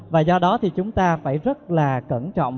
và do đó thì chúng ta phải rất là cẩn trọng